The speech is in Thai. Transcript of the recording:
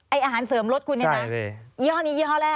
อาหารเสริมลดคุณเนี่ยนะเยี่ยอนนี้แย่รี่แห้วแหลก